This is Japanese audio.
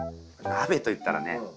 鍋といったらね